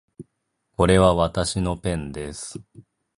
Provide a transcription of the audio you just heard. これはわたしのペンです